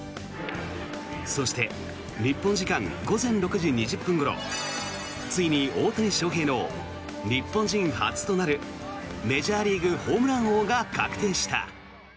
そして日本時間午前６時２０分ごろついに大谷翔平の日本人初となるメジャーリーグホームラン王が確定した。